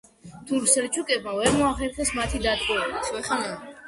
თურქ-სელჩუკებმა ვერ მოახერხეს მათი დატყვევება.